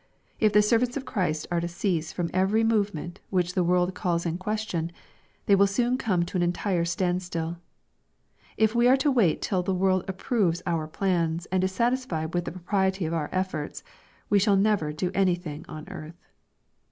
If the servants of Christ are to cease from every movement which the world calls in question, they will soon come to an entire stand still. If we are to wait till the world approves our plans, and is satisfied with the propriety of our efforts, we shall never do anything on earth.